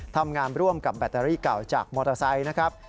ทำงานร่วมกับแบตเตอรี่เก่าจากมอเตอร์ไซค์นะครับ